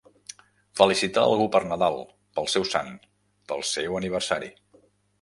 Felicitar algú per Nadal, pel seu sant, pel seu aniversari.